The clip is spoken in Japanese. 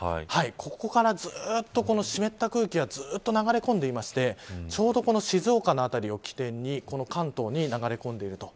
ここからずっと湿った空気が流れ込んでいましてちょうどこの静岡の辺りを起点に関東に流れ込んでいる。